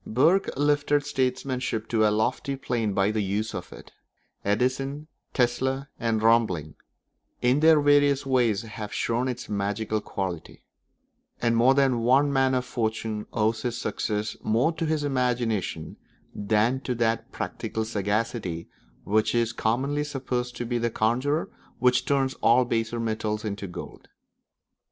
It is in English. Burke lifted statesmanship to a lofty plane by the use of it; Edison, Tesla, and Roebling in their various ways have shown its magical quality; and more than one man of fortune owes his success more to his imagination than to that practical sagacity which is commonly supposed to be the conjurer which turns all baser metals into gold.